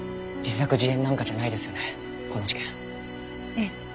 ええ。